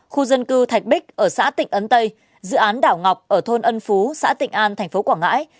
khu dân cư thạch bích ở xã tịnh ấn tây dự án đảo ngọc ở thôn ân phú xã tịnh an tp quảng ngãi